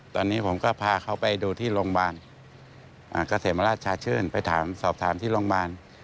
ตอนนี้ผมก็พาเขาไปดูที่โรงพยาบาลเกษมราชชาชื่นไปถามสอบถามที่โรงพยาบาล